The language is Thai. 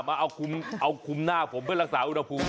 มาเอาคุมหน้าผมเพื่อรักษาอุณหภูมิ